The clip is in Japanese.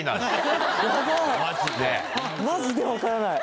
マジで分からない。